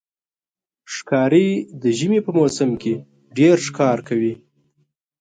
ښکاري د ژمي په موسم کې ډېر ښکار کوي.